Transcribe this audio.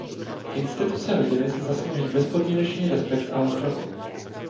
Instituce rodiny si zaslouží bezpodmínečný respekt a ochranu.